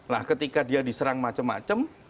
nah ketika dia diserang macam macam